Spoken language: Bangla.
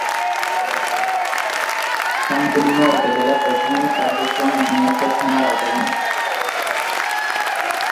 সম্পূর্ণ উপজেলার প্রশাসনিক কার্যক্রম নানিয়ারচর থানার আওতাধীন।